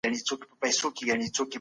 روښانه فکر خوښي نه خرابوي.